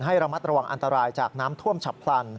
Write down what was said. ให้ระมัดระวังอันตรายจากน้ำท่วมฉับพลัน